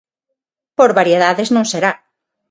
Por variedades non será.